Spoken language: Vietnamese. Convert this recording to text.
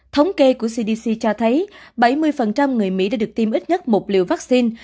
thống kê của cdc cho thấy bảy mươi người mỹ đã được tiêm ít nhất một liều vaccine